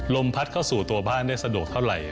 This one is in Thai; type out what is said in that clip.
พัดเข้าสู่ตัวบ้านได้สะดวกเท่าไหร่